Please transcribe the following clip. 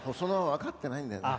分かってないのよね。